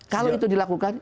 kalau itu dilakukan